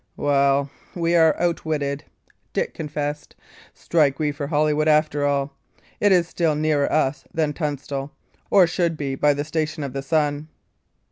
"Well, we are outwitted," Dick confessed. "Strike we for Holywood, after all. It is still nearer us than Tunstall or should be by the station of the sun."